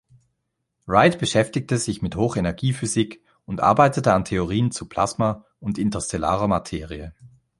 Ride beschäftigte sich mit Hochenergiephysik und arbeitete an Theorien zu Plasma und interstellarer Materie.